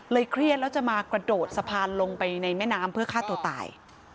เครียดแล้วจะมากระโดดสะพานลงไปในแม่น้ำเพื่อฆ่าตัวตาย